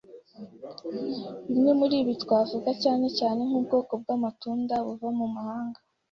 Bimwe muri ibi twavuga cyane cyane nk’ubwoko bw’amatunda buva mu mahanga.